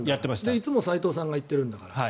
いつも齋藤さんが行ってるんだから。